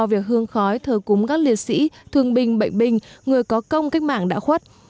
việc hương khói thờ cúng các liệt sĩ thương binh bệnh binh người có công cách mạng đã khuất